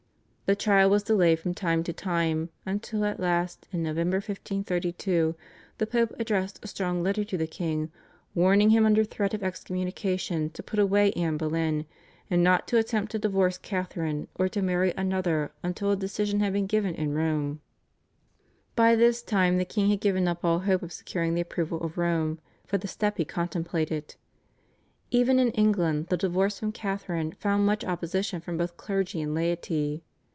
The trial was delayed from time to time until at last in November 1532 the Pope addressed a strong letter to the king, warning him under threat of excommunication to put away Anne Boleyn, and not to attempt to divorce Catharine or to marry another until a decision had been given in Rome. By this time the king had given up all hope of securing the approval of Rome for the step he contemplated. Even in England the divorce from Catharine found much opposition from both clergy and laity.